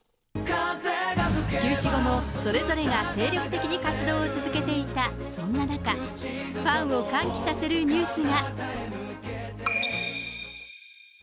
休止後もそれぞれが精力的に活動を続けていたそんな中、ファンを歓喜させるニュースが。